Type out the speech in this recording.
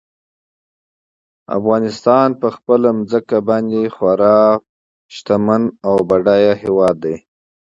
افغانستان په خپله ځمکه باندې خورا غني او بډای هېواد دی.